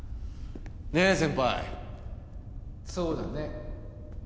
ねえ先輩そうだね